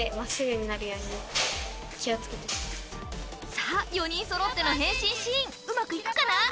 さあ４人そろっての変身シーンうまくいくかな？